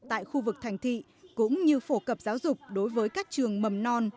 tại khu vực thành thị cũng như phổ cập giáo dục đối với các trường mầm non